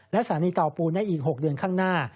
และสถานีเตาปูนได้อีก๖เดือนข้างหน้า